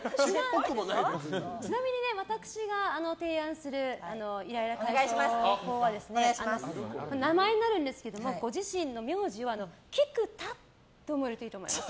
ちなみに私が提案するイライラ解消法は名前になるんですけどご自身の名字を菊田ってするといいと思います。